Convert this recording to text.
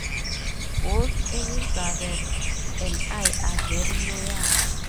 Both Elizabeth and I are very loyal.